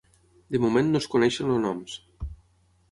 De moment no es coneixen el noms.